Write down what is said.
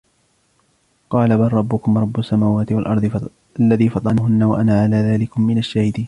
قَالَ بَلْ رَبُّكُمْ رَبُّ السَّمَاوَاتِ وَالْأَرْضِ الَّذِي فَطَرَهُنَّ وَأَنَا عَلَى ذَلِكُمْ مِنَ الشَّاهِدِينَ